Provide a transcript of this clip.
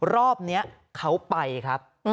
รอบนี้เขาไปครับ